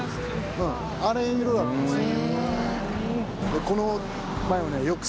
あの色だったんですよ。